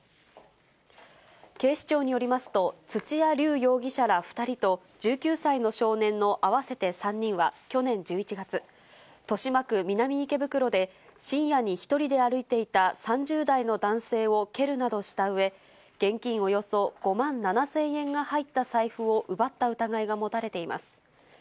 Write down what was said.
警視庁によりますと、土屋龍生容疑者ら２人と、１９歳の少年の合わせて３人は、去年１１月、豊島区南池袋で、深夜に１人で歩いていた３０代の男性を蹴るなどしたうえ、現金およそ５万７０００円が入った財布を奪った疑いが持たれています。